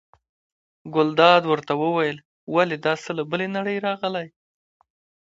ګلداد ورته وویل: ولې دا څه له بلې نړۍ راغلي.